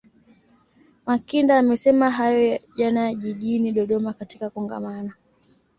Makinda amesema hayo jana jijini Dodoma katika Kongamano